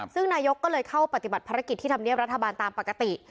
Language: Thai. ซึ่งนายกก็เลยเข้าปฏิบัติภารกิจที่ธรรมเนียบรัฐบาลตามปกติ